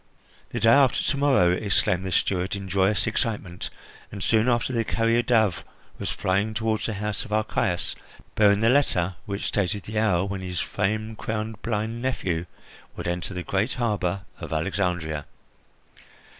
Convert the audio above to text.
"The day after to morrow!" exclaimed the steward in joyous excitement; and soon after the carrier dove was flying toward the house of Archias, bearing the letter which stated the hour when his fame crowned blind nephew would enter the great harbour of Alexandria.